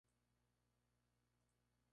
El enfoque de Knapp es naturalista.